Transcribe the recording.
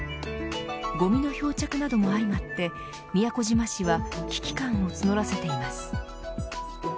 ごみの漂着なども相まって宮古島市は危機感を募らせています。